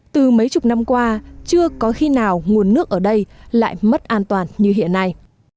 từ mấy chục năm qua chưa có khi nào nguồn nước ở đây lại mất an toàn như hiện nay